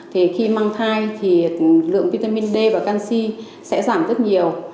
thì khi mang thai thì lượng vitamin d và canxi sẽ giảm rất nhiều